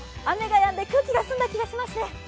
雨がやんで、空気が澄んだ気がしますね。